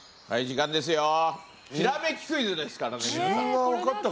「ひらめきクイズです」からね皆さん。